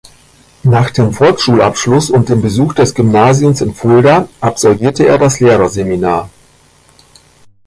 Nach dem Volksschulabschluss und dem Besuch des Gymnasiums in Fulda absolvierte er das Lehrerseminar.